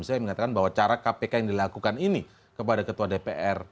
saya mengatakan bahwa cara kpk yang dilakukan ini kepada ketua dpr